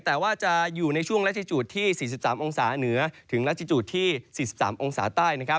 แต่ว่าจะอยู่ในช่วงรัชิจูดที่๔๓องศาเหนือถึงลาจิจูที่๔๓องศาใต้